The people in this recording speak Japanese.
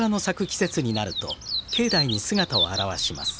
季節になると境内に姿を現します。